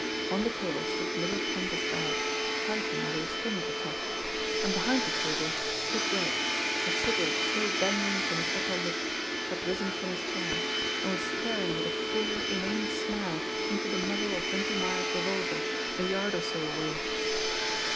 On the table stood the little canvas bag, tied now with a string at the top and behind the table, Kid Gregg, a cigarette still dangling from his upper lip, had risen from his chair, and was staring with a queer, inane smile into the muzzle of Bunty Myers' revolver a yard or so away.